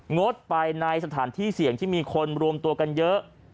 งดไปในสถานที่เสี่ยงที่มีคนรวมตัวกันเยอะ